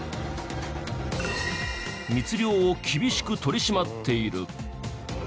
密猟を厳しく取り締まっている。